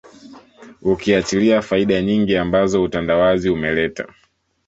Ukiachilia faida nyingi ambazo utandawazi umeleta